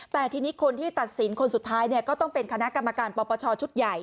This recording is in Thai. แต่ทีนี้คนที่ตัดสินคนสุดท้ายก็ต้องเป็นคณะกรรมการปปชชุดใหญ่